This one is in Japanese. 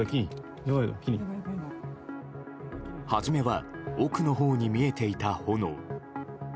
はじめは奥のほうに見えていた炎。